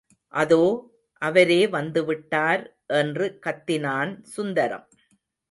அதோ, அவரே வந்துவிட்டார் என்று கத்தினான் சுந்தரம்.